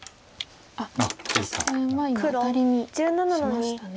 実戦は今アタリにしましたね。